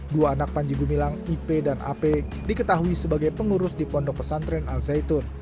dua anak panji gumilang i p dan a p diketahui sebagai pengurus di pondok pesantren al zaitun